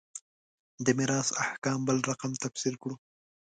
د میراث احکام بل رقم تفسیر کړو.